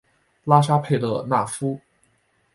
拉沙佩勒纳夫。